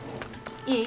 いい？